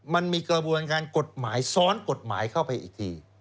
มันมีกระบวนการกฎหมายซ้อนกฎหมายเข้าไปอีกที